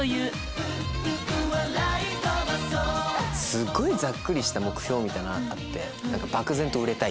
すごいざっくりした目標みたいなのあって。